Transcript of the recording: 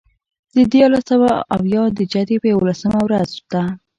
د دیارلس سوه یو اویا د جدې یوولسمه ورځ ده.